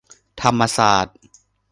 ธรรมศาสตร์